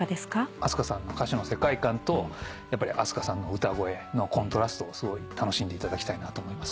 ＡＳＫＡさんの歌詞の世界観とやっぱりＡＳＫＡさんの歌声のコントラストをすごい楽しんでいただきたいなと思います。